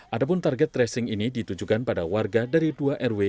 adapun target tracing ini ditujukan pada warga dari dua rw